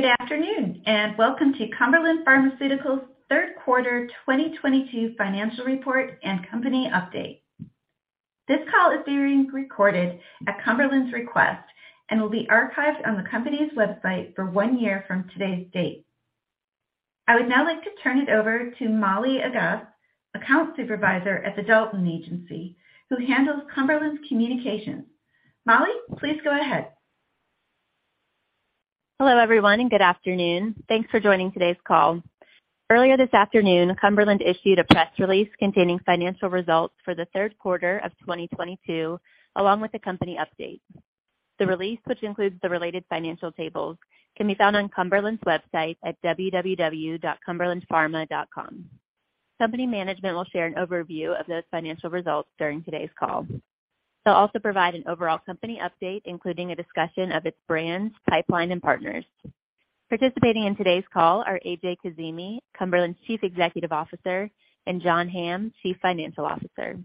Good afternoon, and welcome to Cumberland Pharmaceuticals' third quarter 2022 financial report and company update. This call is being recorded at Cumberland Pharmaceuticals' request and will be archived on the company's website for one year from today's date. I would now like to turn it over to Molly Aggas, Account Supervisor at The Dalton Agency, who handles Cumberland Pharmaceuticals' communications. Molly, please go ahead. Hello, everyone, and good afternoon. Thanks for joining today's call. Earlier this afternoon, Cumberland issued a press release containing financial results for the third quarter of 2022, along with the company update. The release, which includes the related financial tables, can be found on Cumberland's website at www.cumberlandpharma.com. Company management will share an overview of those financial results during today's call. They'll also provide an overall company update, including a discussion of its brands, pipeline, and partners. Participating in today's call are A.J. Kazimi, Cumberland's Chief Executive Officer, and John Hamm, Chief Financial Officer.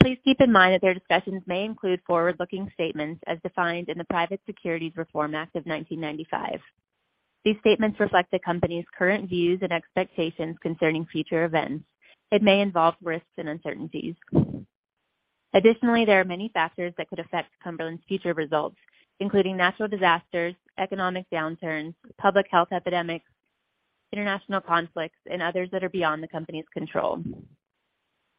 Please keep in mind that their discussions may include forward-looking statements as defined in the Private Securities Litigation Reform Act of 1995. These statements reflect the company's current views and expectations concerning future events and may involve risks and uncertainties. Additionally, there are many factors that could affect Cumberland's future results, including natural disasters, economic downturns, public health epidemics, international conflicts, and others that are beyond the company's control.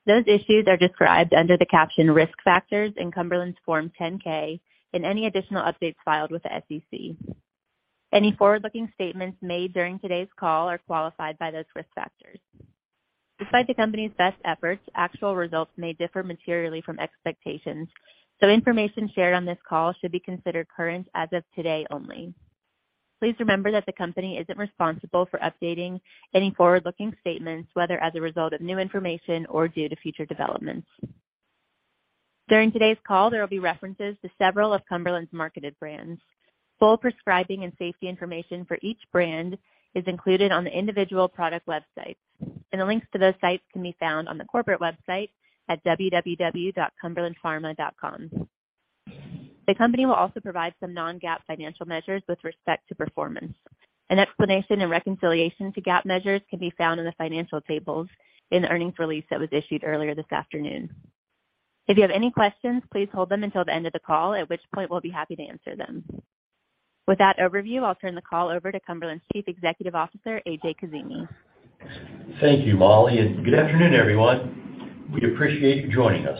Those issues are described under the caption Risk Factors in Cumberland's Form 10-K and any additional updates filed with the SEC. Any forward-looking statements made during today's call are qualified by those risk factors. Despite the company's best efforts, actual results may differ materially from expectations, so information shared on this call should be considered current as of today only. Please remember that the company isn't responsible for updating any forward-looking statements, whether as a result of new information or due to future developments. During today's call, there will be references to several of Cumberland's marketed brands. Full prescribing and safety information for each brand is included on the individual product websites, and the links to those sites can be found on the corporate website at www.cumberlandpharma.com. The company will also provide some non-GAAP financial measures with respect to performance. An explanation and reconciliation to GAAP measures can be found in the financial tables in the earnings release that was issued earlier this afternoon. If you have any questions, please hold them until the end of the call, at which point we'll be happy to answer them. With that overview, I'll turn the call over to Cumberland's Chief Executive Officer, A.J. Kazimi. Thank you, Molly, and good afternoon, everyone. We appreciate you joining us.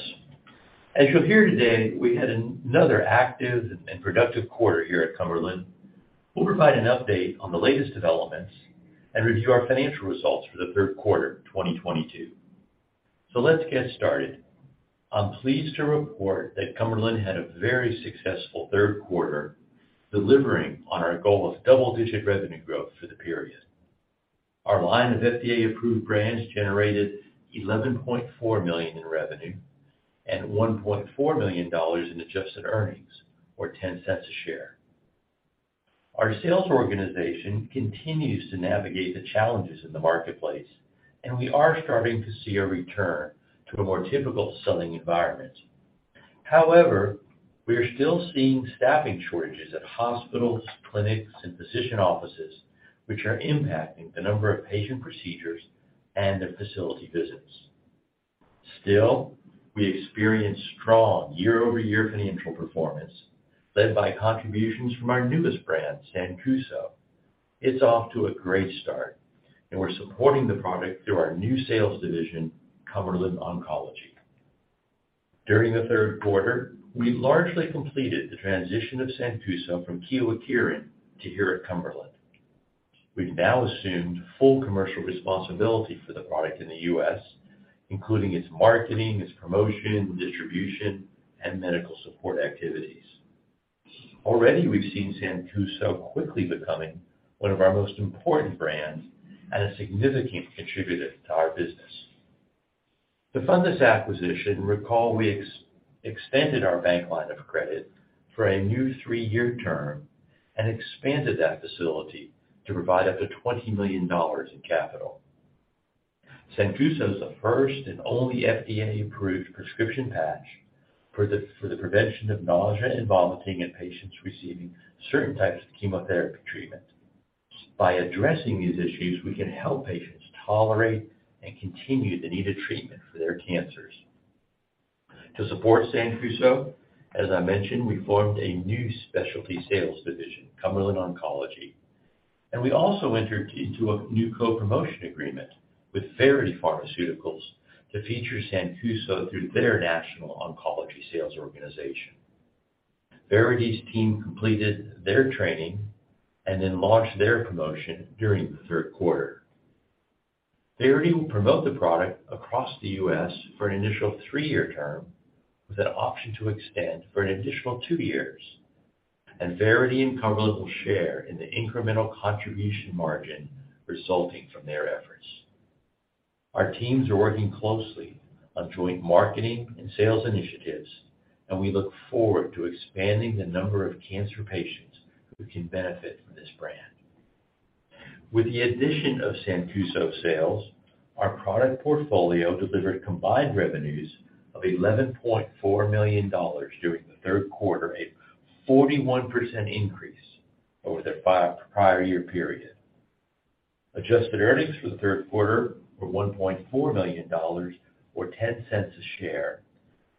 As you'll hear today, we had another active and productive quarter here at Cumberland. We'll provide an update on the latest developments and review our financial results for the third quarter 2022. Let's get started. I'm pleased to report that Cumberland had a very successful third quarter, delivering on our goal of double-digit revenue growth for the period. Our line of FDA-approved brands generated $11.4 million in revenue and $1.4 million in adjusted earnings, or $0.10 a share. Our sales organization continues to navigate the challenges in the marketplace, and we are starting to see a return to a more typical selling environment. However, we are still seeing staffing shortages at hospitals, clinics, and physician offices, which are impacting the number of patient procedures and the facility visits. Still, we experienced strong year-over-year financial performance led by contributions from our newest brand, Sancuso. It's off to a great start, and we're supporting the product through our new sales division, Cumberland Oncology. During the third quarter, we largely completed the transition of Sancuso from Kyowa Kirin to here at Cumberland. We've now assumed full commercial responsibility for the product in the U.S., including its marketing, its promotion, distribution, and medical support activities. Already, we've seen Sancuso quickly becoming one of our most important brands and a significant contributor to our business. To fund this acquisition, recall we extended our bank line of credit for a new three-year term and expanded that facility to provide up to $20 million in capital. Sancuso is the first and only FDA-approved prescription patch for the prevention of nausea and vomiting in patients receiving certain types of chemotherapy treatment. By addressing these issues, we can help patients tolerate and continue the needed treatment for their cancers. To support Sancuso, as I mentioned, we formed a new specialty sales division, Cumberland Oncology, and we also entered into a new co-promotion agreement with Verity Pharmaceuticals to feature Sancuso through their national oncology sales organization. Verity's team completed their training and then launched their promotion during the third quarter. Verity will promote the product across the U.S. for an initial 3-year term with an option to extend for an additional 2 years. Verity and Cumberland will share in the incremental contribution margin resulting from their efforts. Our teams are working closely on joint marketing and sales initiatives, and we look forward to expanding the number of cancer patients who can benefit from this brand. With the addition of Sancuso sales, our product portfolio delivered combined revenues of $11.4 million during the third quarter, a 41% increase over the same prior year period. Adjusted earnings for the third quarter were $1.4 million or $0.10 a share.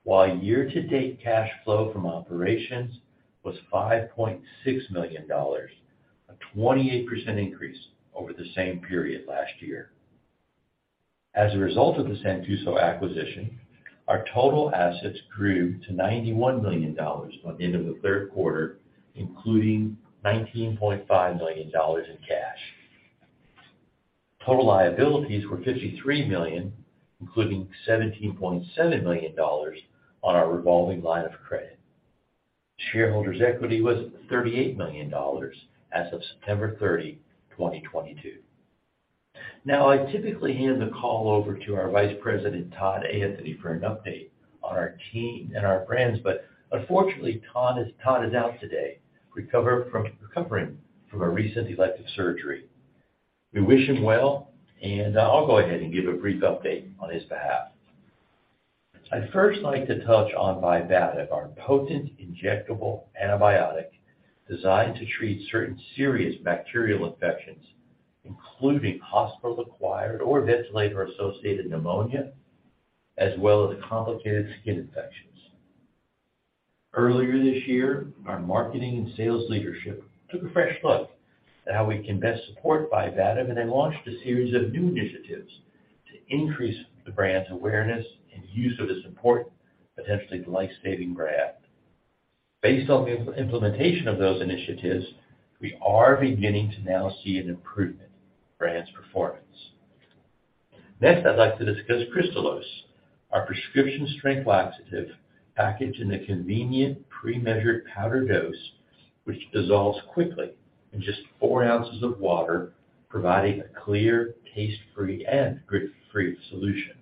While year-to-date cash flow from operations was $5.6 million, a 28% increase over the same period last year. As a result of the Sancuso acquisition, our total assets grew to $91 million by the end of the third quarter, including $19.5 million in cash. Total liabilities were $53 million, including $17.7 million on our revolving line of credit. Shareholders' equity was $38 million as of September 30, 2022. Now I typically hand the call over to our Vice President, Todd Anthony, for an update on our team and our brands. Unfortunately, Todd is out today recovering from a recent elective surgery. We wish him well, and I'll go ahead and give a brief update on his behalf. I'd first like to touch on Vibativ, our potent injectable antibiotic designed to treat certain serious bacterial infections, including hospital-acquired or ventilator-associated pneumonia, as well as complicated skin infections. Earlier this year, our marketing and sales leadership took a fresh look at how we can best support Vibativ, and then launched a series of new initiatives to increase the brand's awareness and use of this important, potentially life-saving brand. Based on the implementation of those initiatives, we are beginning to now see an improvement in the brand's performance. Next, I'd like to discuss Kristalose, our prescription-strength laxative packaged in a convenient pre-measured powder dose, which dissolves quickly in just four ounces of water, providing a clear, taste-free, and grit-free solution.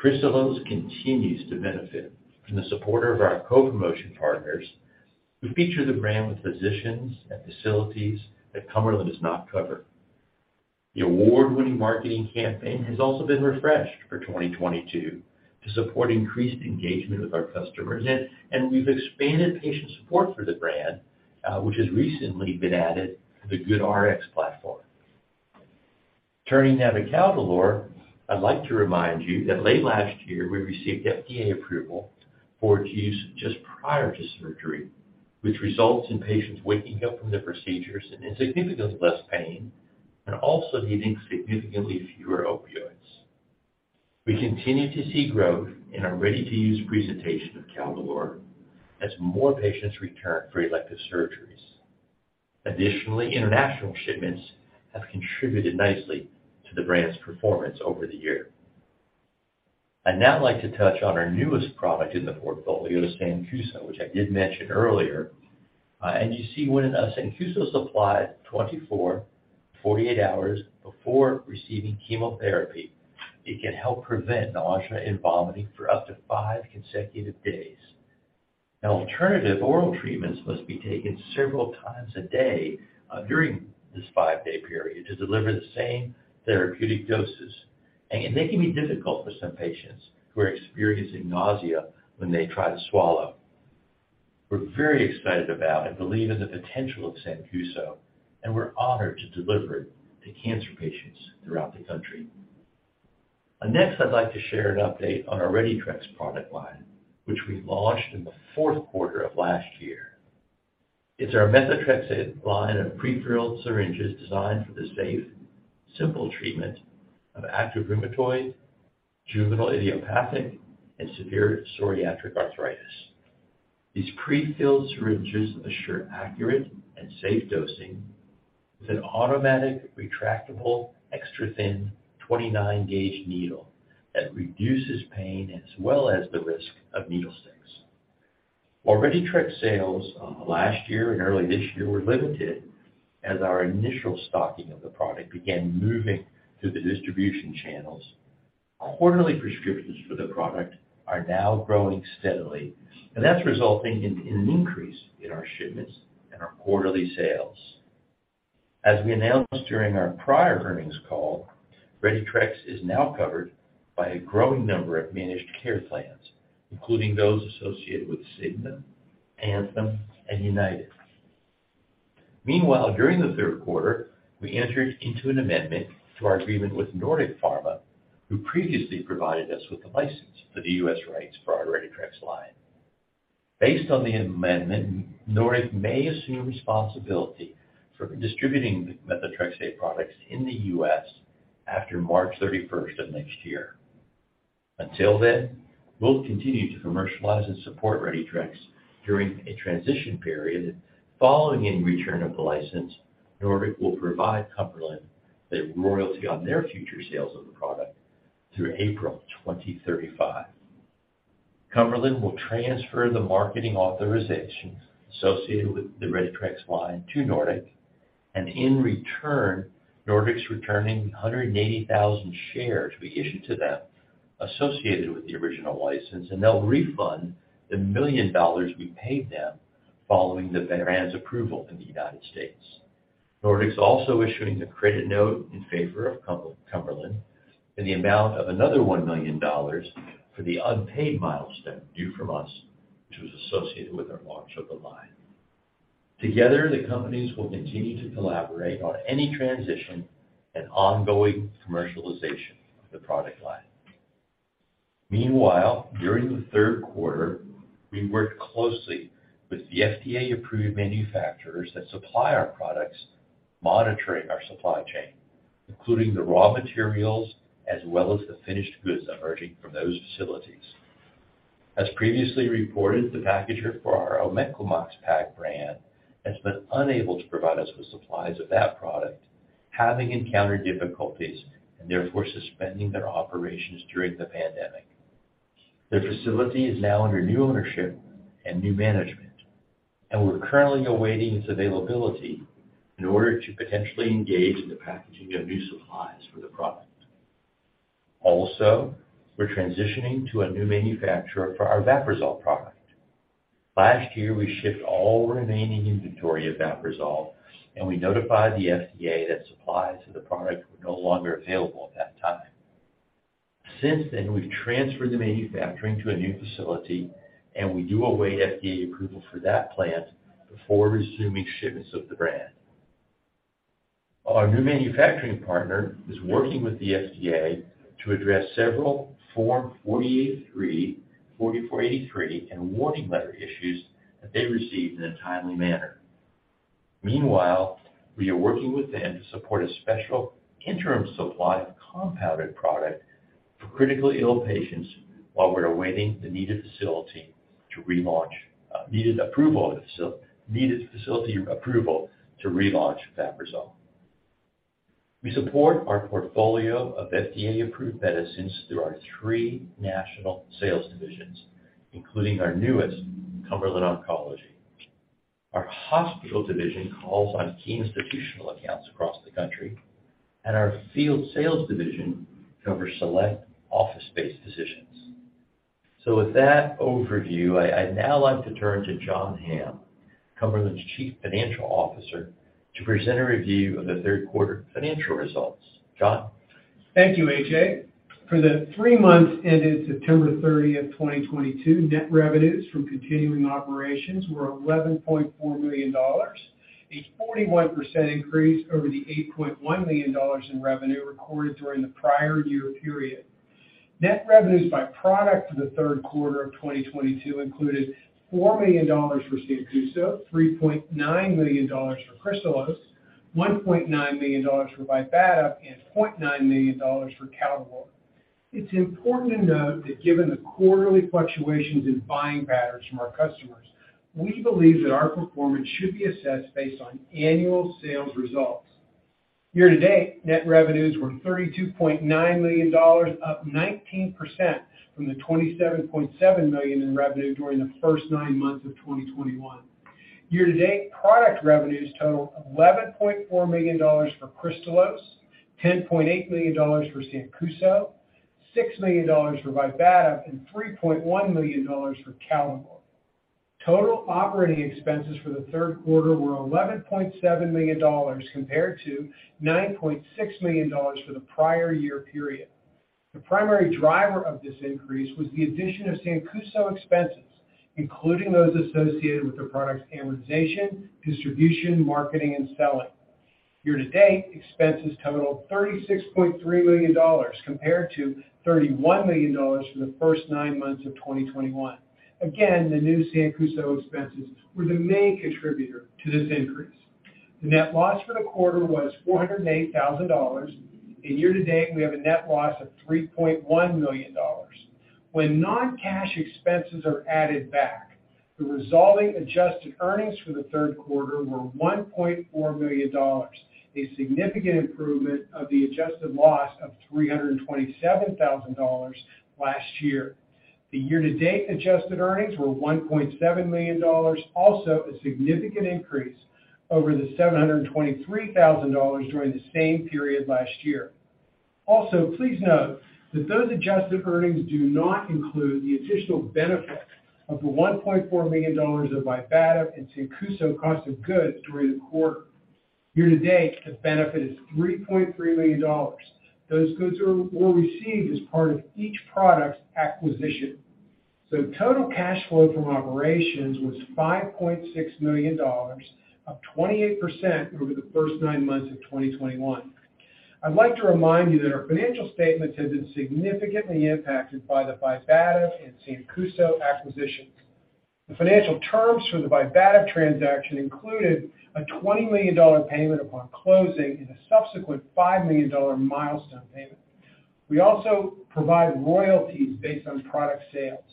Kristalose continues to benefit from the support of our co-promotion partners who feature the brand with physicians at facilities that Cumberland does not cover. The award-winning marketing campaign has also been refreshed for 2022 to support increased engagement with our customers, and we've expanded patient support for the brand, which has recently been added to the GoodRx platform. Turning now to Caldolor, I'd like to remind you that late last year we received FDA approval for its use just prior to surgery, which results in patients waking up from the procedures in significantly less pain and also needing significantly fewer opioids. We continue to see growth in our ready-to-use presentation of Caldolor as more patients return for elective surgeries. Additionally, international shipments have contributed nicely to the brand's performance over the year. I'd now like to touch on our newest product in the portfolio, Sancuso, which I did mention earlier. You see when Sancuso applied 24-48 hours before receiving chemotherapy, it can help prevent nausea and vomiting for up to five consecutive days. Now, alternative oral treatments must be taken several times a day during this five-day period to deliver the same therapeutic doses, and they can be difficult for some patients who are experiencing nausea when they try to swallow. We're very excited about and believe in the potential of Sancuso, and we're honored to deliver it to cancer patients throughout the country. Next, I'd like to share an update on our RediTrex product line, which we launched in the fourth quarter of last year. It's our methotrexate line of prefilled syringes designed for the safe, simple treatment of active rheumatoid, juvenile idiopathic, and severe psoriatic arthritis. These prefilled syringes assure accurate and safe dosing with an automatic retractable extra thin 29-gauge needle that reduces pain as well as the risk of needle sticks. While RediTrex sales last year and early this year were limited, as our initial stocking of the product began moving through the distribution channels, quarterly prescriptions for the product are now growing steadily, and that's resulting in an increase in our shipments and our quarterly sales. As we announced during our prior earnings call, RediTrex is now covered by a growing number of managed care plans, including those associated with Cigna, Anthem, and United. Meanwhile, during the third quarter, we entered into an amendment to our agreement with Nordic Pharma, who previously provided us with the license for the U.S. rights for our RediTrex line. Based on the amendment, Nordic may assume responsibility for distributing the methotrexate products in the U.S. after March thirty-first of next year. Until then, we'll continue to commercialize and support RediTrex during a transition period. Following in return of the license, Nordic will provide Cumberland a royalty on their future sales of the product through April 2035. Cumberland will transfer the marketing authorizations associated with the RediTrex line to Nordic, and in return, Nordic's returning 180,000 shares we issued to them associated with the original license, and they'll refund the $1 million we paid them following the Vibativ approval in the United States. Nordic's also issuing a credit note in favor of Cumberland in the amount of another $1 million for the unpaid milestone due from us, which was associated with our launch of the line. Together, the companies will continue to collaborate on any transition and ongoing commercialization of the product line. Meanwhile, during the third quarter, we worked closely with the FDA-approved manufacturers that supply our products, monitoring our supply chain, including the raw materials as well as the finished goods emerging from those facilities. As previously reported, the packager for our Omeclamox-Pak brand has been unable to provide us with supplies of that product, having encountered difficulties and therefore suspending their operations during the pandemic. Their facility is now under new ownership and new management, and we're currently awaiting its availability in order to potentially engage in the packaging of new supplies for the product. Also, we're transitioning to a new manufacturer for our Vaprisol product. Last year, we shipped all remaining inventory of Vaprisol, and we notified the FDA that supplies of the product were no longer available at that time. Since then, we've transferred the manufacturing to a new facility, and we do await FDA approval for that plant before resuming shipments of the brand. Our new manufacturing partner is working with the FDA to address several Form 483 and warning letter issues that they received in a timely manner. Meanwhile, we are working with them to support a special interim supply of compounded product for critically ill patients while we're awaiting the needed facility approval to relaunch Vaprisol. We support our portfolio of FDA-approved medicines through our three national sales divisions, including our newest, Cumberland Oncology. Our hospital division calls on key institutional accounts across the country, and our field sales division covers select office-based physicians. With that overview, I'd now like to turn to John Hamm, Cumberland's Chief Financial Officer, to present a review of the third quarter financial results. John? Thank you, A.J. For the three months ended September 30, 2022, net revenues from continuing operations were $11.4 million, a 41% increase over the $8.1 million in revenue recorded during the prior year period. Net revenues by product for the third quarter of 2022 included $4 million for Sancuso, $3.9 million for Kristalose, $1.9 million for Vibativ, and $0.9 million for Caldolor. It's important to note that given the quarterly fluctuations in buying patterns from our customers, we believe that our performance should be assessed based on annual sales results. Year-to-date, net revenues were $32.9 million, up 19% from the $27.7 million in revenue during the first nine months of 2021. Year-to-date, product revenues total $11.4 million for Kristalose, $10.8 million for Sancuso, $6 million for Vibativ, and $3.1 million for Caldolor. Total operating expenses for the third quarter were $11.7 million compared to $9.6 million for the prior year period. The primary driver of this increase was the addition of Sancuso expenses, including those associated with the product's amortization, distribution, marketing, and selling. Year-to-date, expenses totaled $36.3 million compared to $31 million for the first nine months of 2021. Again, the new Sancuso expenses were the main contributor to this increase. The net loss for the quarter was $408,000. Year-to-date, we have a net loss of $3.1 million. When non-cash expenses are added back, the resulting adjusted earnings for the third quarter were $1.4 million, a significant improvement of the adjusted loss of $327,000 last year. The year-to-date adjusted earnings were $1.7 million, also a significant increase over the $723,000 during the same period last year. Also, please note that those adjusted earnings do not include the additional benefit of the $1.4 million of Vibativ and Sancuso cost of goods during the quarter. Year-to-date, the benefit is $3.3 million. Those goods were received as part of each product's acquisition. Total cash flow from operations was $5.6 million, up 28% over the first nine months of 2021. I'd like to remind you that our financial statements have been significantly impacted by the Vibativ and Sancuso acquisitions. The financial terms for the Vibativ transaction included a $20 million payment upon closing and a subsequent $5 million milestone payment. We also provide royalties based on product sales.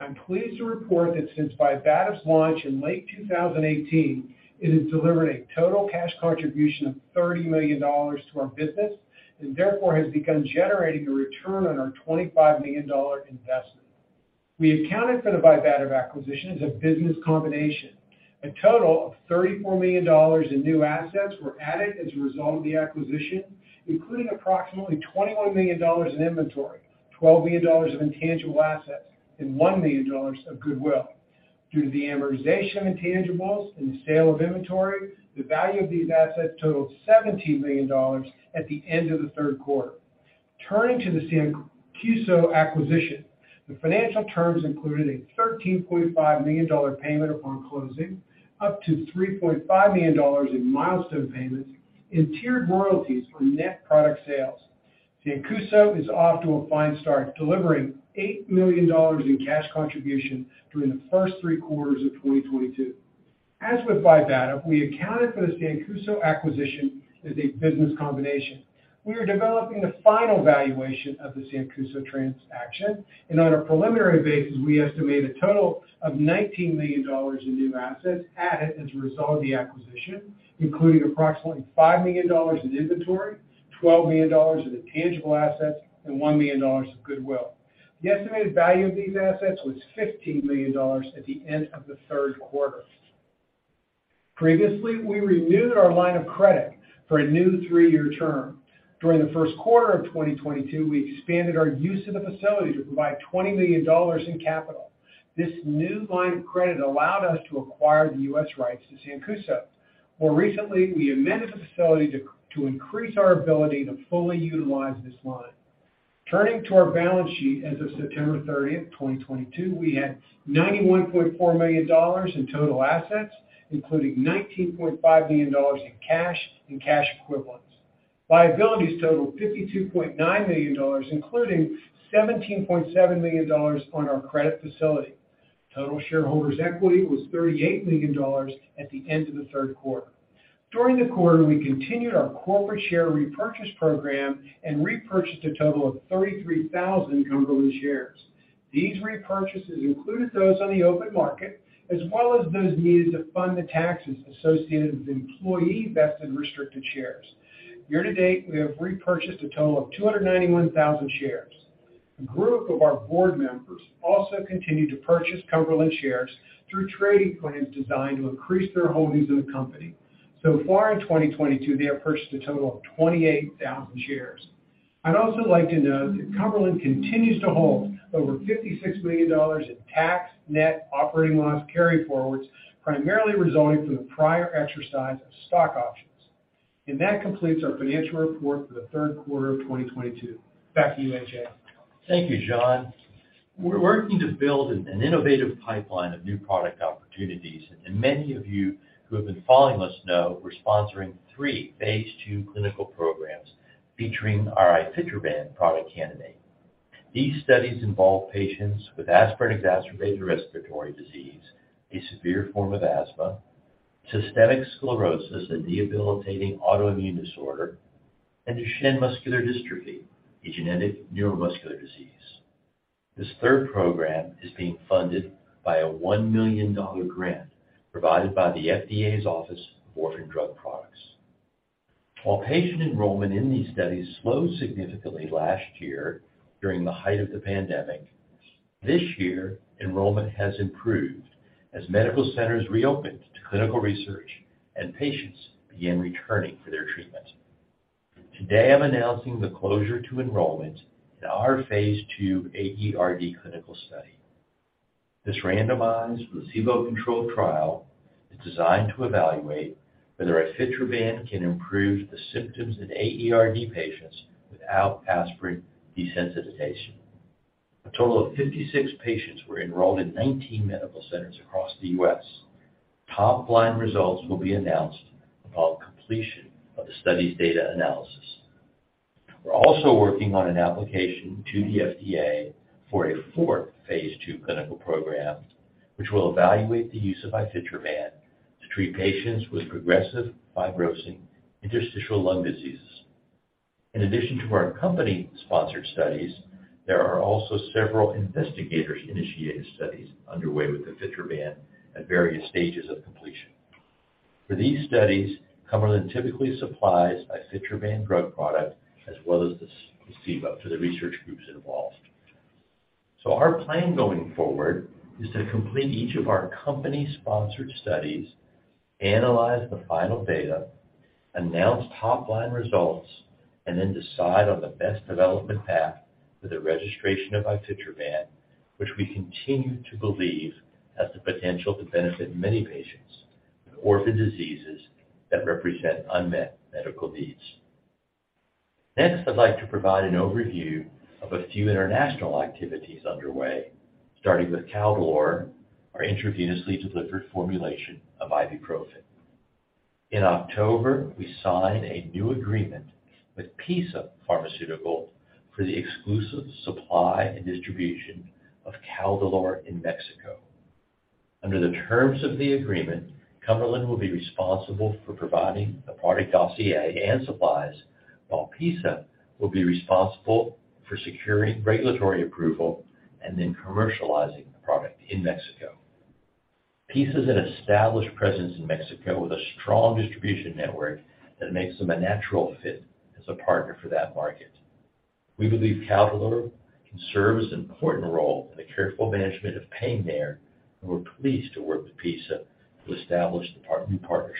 I'm pleased to report that since Vibativ's launch in late 2018, it has delivered a total cash contribution of $30 million to our business and therefore has begun generating a return on our $25 million investment. We accounted for the Vibativ acquisitions as business combinations. A total of $34 million in new assets were added as a result of the acquisition, including approximately $21 million in inventory, $12 million of intangible assets, and $1 million of Goodwill. Due to the amortization of intangibles and the sale of inventory, the value of these assets totaled $17 million at the end of the third quarter. Turning to the Sancuso acquisition, the financial terms included a $13.5 million payment upon closing, up to $3.5 million in milestone payments and tiered royalties on net product sales. Sancuso is off to a fine start, delivering $8 million in cash contribution during the first three quarters of 2022. As with Vibativ, we accounted for the Sancuso acquisition as a business combination. We are developing the final valuation of the Sancuso transaction, and on a preliminary basis, we estimate a total of $19 million in new assets added as a result of the acquisition, including approximately $5 million in inventory, $12 million of intangible assets, and $1 million of Goodwill. The estimated value of these assets was $15 million at the end of the third quarter. Previously, we renewed our line of credit for a new three-year term. During the first quarter of 2022, we expanded our use of the facility to provide $20 million in capital. This new line of credit allowed us to acquire the U.S. rights to Sancuso. More recently, we amended the facility to increase our ability to fully utilize this line. Turning to our balance sheet as of September 30, 2022, we had $91.4 million in total assets, including $19.5 million in cash and cash equivalents. Liabilities totaled $52.9 million, including $17.7 million on our credit facility. Total shareholders' equity was $38 million at the end of the third quarter. During the quarter, we continued our corporate share repurchase program and repurchased a total of 33,000 Cumberland shares. These repurchases included those on the open market, as well as those needed to fund the taxes associated with employee-vested restricted shares. Year to date, we have repurchased a total of 291,000 shares. A group of our board members also continued to purchase Cumberland shares through trading plans designed to increase their holdings in the company. So far in 2022, they have purchased a total of 28,000 shares. I'd also like to note that Cumberland continues to hold over $56 million in tax net operating loss carryforwards, primarily resulting from the prior exercise of stock options. That completes our financial report for the third quarter of 2022. Back to you, A.J. Thank you, John. We're working to build an innovative pipeline of new product opportunities, and many of you who have been following us know we're sponsoring three phase II clinical programs featuring our ifetroban product candidate. These studies involve patients with aspirin-exacerbated respiratory disease, a severe form of asthma, systemic sclerosis, a debilitating autoimmune disorder, and Duchenne muscular dystrophy, a genetic Neuromuscular disease. This third program is being funded by a $1 million grant provided by the FDA's Office of Orphan Products Development. While patient enrollment in these studies slowed significantly last year during the height of the pandemic, this year enrollment has improved as medical centers reopened to clinical research and patients began returning for their treatment. Today, I'm announcing the closure to enrollment in our phase II AERD clinical study. This randomized, placebo-controlled trial is designed to evaluate whether ifetroban can improve the symptoms in AERD patients without aspirin desensitization. A total of 56 patients were enrolled in 19 medical centers across the U.S. Top-line results will be announced upon completion of the study's data analysis. We're also working on an application to the FDA for a fourth phase II clinical program, which will evaluate the use of ifetroban to treat patients with progressive fibrosing interstitial lung diseases. In addition to our company-sponsored studies, there are also several investigator-initiated studies underway with ifetroban at various stages of completion. For these studies, Cumberland typically supplies ifetroban drug product as well as the placebo to the research groups involved. Our plan going forward is to complete each of our company-sponsored studies, analyze the final data, announce top-line results, and then decide on the best development path for the registration of ifetroban, which we continue to believe has the potential to benefit many patients with orphan diseases that represent unmet medical needs. Next, I'd like to provide an overview of a few international activities underway, starting with Caldolor, our intravenously delivered formulation of ibuprofen. In October, we signed a new agreement with PiSA Farmacéutica for the exclusive supply and distribution of Caldolor in Mexico. Under the terms of the agreement, Cumberland will be responsible for providing the product dossier and supplies, while PiSA will be responsible for securing regulatory approval and then commercializing the product in Mexico. PiSA has an established presence in Mexico with a strong distribution network that makes them a natural fit as a partner for that market. We believe Caldolor can serve as an important role in the careful management of pain there, and we're pleased to work with PiSA to establish the brand-new partnership.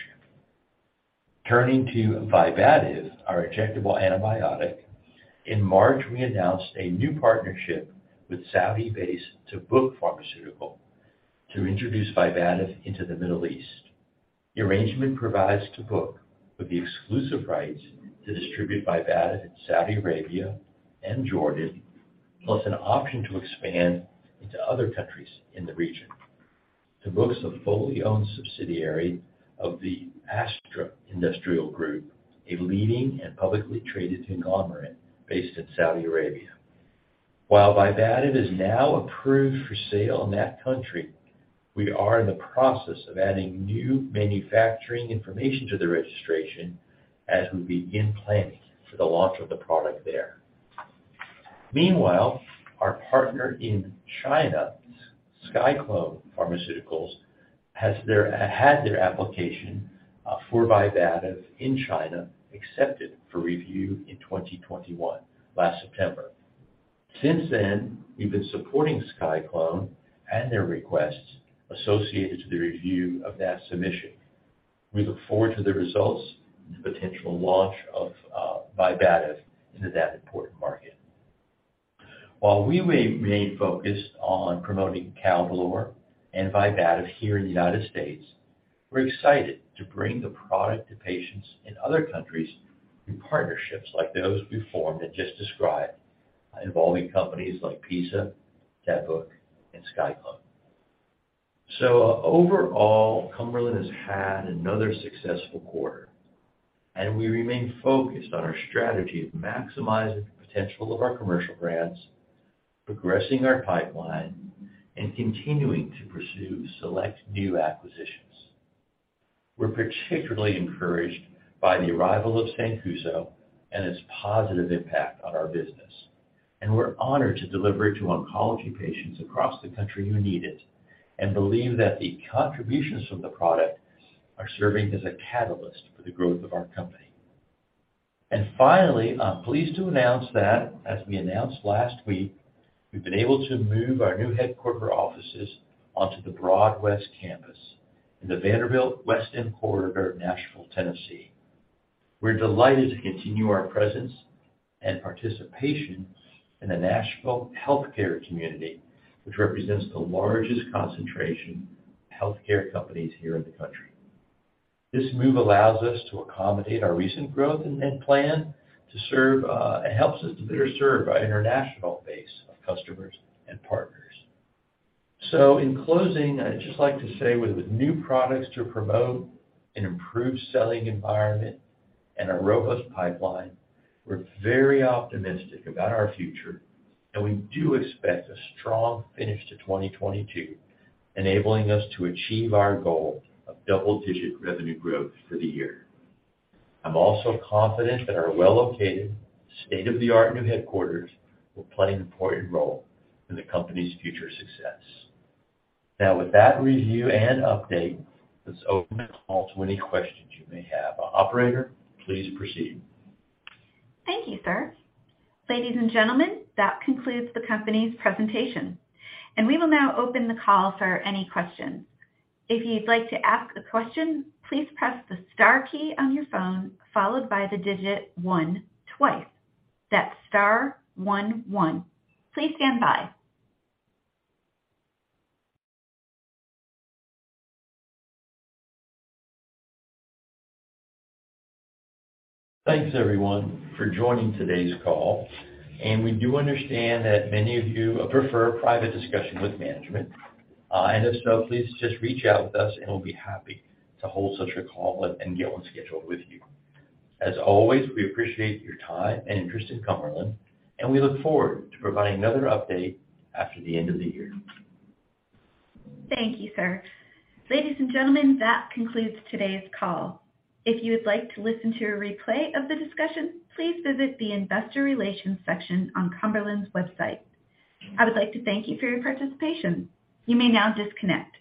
Turning to Vibativ, our injectable antibiotic. In March, we announced a new partnership with Saudi-based Tabuk Pharmaceutical to introduce Vibativ into the Middle East. The arrangement provides Tabuk with the exclusive rights to distribute Vibativ in Saudi Arabia and Jordan, plus an option to expand into other countries in the region. Tabuk is a fully owned subsidiary of the Astra Industrial Group, a leading and publicly traded conglomerate based in Saudi Arabia. While Vibativ is now approved for sale in that country, we are in the process of adding new manufacturing information to the registration as we begin planning for the launch of the product there. Meanwhile, our partner in China, SciClone Pharmaceuticals, had their application for Vibativ in China accepted for review in 2021, last September. Since then, we've been supporting SciClone and their requests associated to the review of that submission. We look forward to the results and the potential launch of Vibativ into that important market. While we may remain focused on promoting Caldolor and Vibativ here in the United States, we're excited to bring the product to patients in other countries through partnerships like those we formed and just described involving companies like PiSA, Tabuk, and SciClone. Overall, Cumberland has had another successful quarter, and we remain focused on our strategy of maximizing the potential of our commercial brands, progressing our pipeline, and continuing to pursue select new acquisitions. We're particularly encouraged by the arrival of Sancuso and its positive impact on our business. We're honored to deliver it to oncology patients across the country who need it, and believe that the contributions from the product are serving as a catalyst for the growth of our company. Finally, I'm pleased to announce that as we announced last week, we've been able to move our new headquarter offices onto the Broadwest campus in the Vanderbilt West End corridor of Nashville, Tennessee. We're delighted to continue our presence and participation in the Nashville healthcare community, which represents the largest concentration of healthcare companies here in the country. This move allows us to accommodate our recent growth and it helps us to better serve our international base of customers and partners. In closing, I'd just like to say with new products to promote, an improved selling environment and a robust pipeline, we're very optimistic about our future, and we do expect a strong finish to 2022, enabling us to achieve our goal of double-digit revenue growth for the year. I'm also confident that our well-located, state-of-the-art new headquarters will play an important role in the company's future success. Now with that review and update, let's open the call to any questions you may have. Operator, please proceed. Thank you, sir. Ladies and gentlemen, that concludes the company's presentation. We will now open the call for any questions. If you'd like to ask a question, please press the star key on your phone, followed by the digit 1 twice. That's star one one. Please stand by. Thanks everyone for joining today's call. We do understand that many of you prefer a private discussion with management. If so, please just reach out with us, and we'll be happy to hold such a call and get on schedule with you. As always, we appreciate your time and interest in Cumberland, and we look forward to providing another update after the end of the year. Thank you, sir. Ladies and gentlemen, that concludes today's call. If you would like to listen to a replay of the discussion, please visit the investor relations section on Cumberland's website. I would like to thank you for your participation. You may now disconnect.